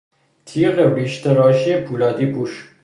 تیغ ریش تراشی پولادی پوش